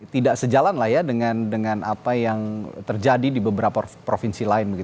tidak sejalan lah ya dengan apa yang terjadi di beberapa provinsi lain